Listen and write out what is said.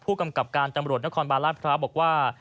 ผู้กำกับการตำรวจนครบาลราชพร้าวบอกว่า